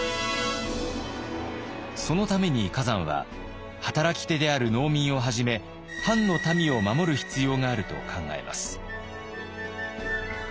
そのために崋山は働き手である農民をはじめ藩の民を守る必要があると考えます。